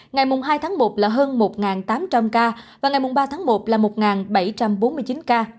ngày hai tháng một là hơn một tám trăm linh ca và ngày ba tháng một là một bảy trăm bốn mươi chín ca